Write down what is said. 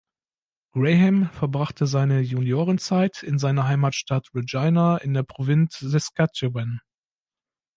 Graham verbrachte seine Juniorenzeit in seiner Heimatstadt Regina in der Provinz Saskatchewan.